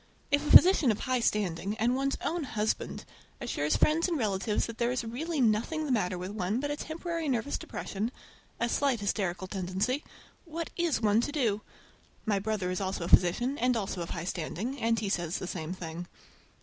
If a physician of high standing, and one's own husband, assures friends and relatives that there is really nothing the matter with one but temporary nervous depression—a slight hysterical tendency—what is one to do? My brother is also a physician, and also of high standing, and he says the same thing.